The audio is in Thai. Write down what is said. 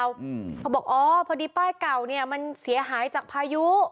เขาบอกอ๋อพอดีป้ายเก่าเนี่ยมันเสียหายจากพายุ